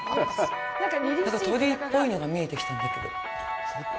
何か鳥居っぽいのが見えてきたんだけど。